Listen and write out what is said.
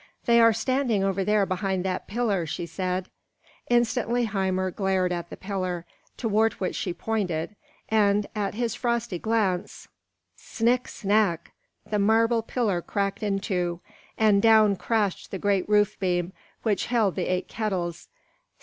"They are standing over there behind that pillar," she said. Instantly Hymir glared at the pillar towards which she pointed, and at his frosty glance snick snack! the marble pillar cracked in two, and down crashed the great roof beam which held the eight kettles.